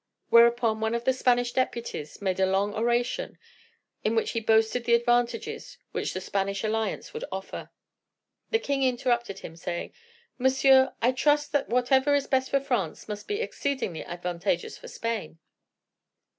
Whereupon one of the Spanish deputies made a long oration, in which he boasted the advantages which the Spanish alliance would offer. The king interrupted him, saying, "Monsieur, I trust that whatever is best for France must be exceedingly advantageous for Spain."